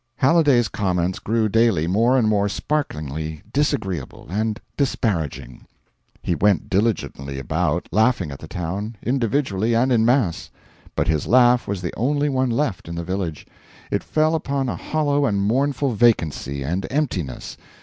Halliday's comments grew daily more and more sparklingly disagreeable and disparaging. He went diligently about, laughing at the town, individually and in mass. But his laugh was the only one left in the village: it fell upon a hollow and mournful vacancy and emptiness.